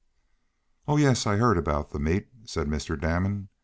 "Oh, yes, I heard about the meet," said Mr. Damon.